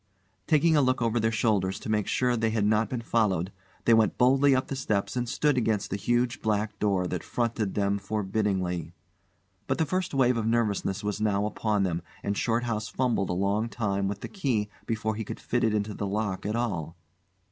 Taking a look over their shoulders to make sure they had not been followed, they went boldly up the steps and stood against the huge black door that fronted them forbiddingly. But the first wave of nervousness was now upon them, and Shorthouse fumbled a long time with the key before he could fit it into the lock at all.